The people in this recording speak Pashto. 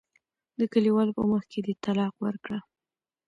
د کلیوالو په مخ کې دې طلاق ورکړه.